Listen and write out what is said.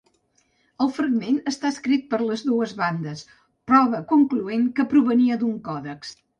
El fragment està escrit per les dues bandes, prova concloent que provenia d'un còdex.